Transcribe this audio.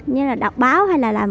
như là đọc báo hay là làm